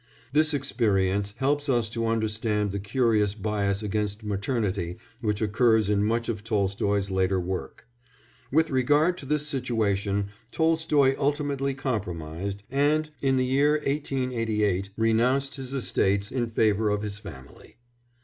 This experience helps us to understand the curious bias against maternity which occurs in much of Tolstoy's later work. With regard to this situation Tolstoy ultimately compromised and, in the year 1888, renounced his estates in favour of his family.